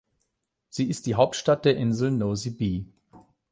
Sie ist die Hauptstadt der Insel Nosy Be.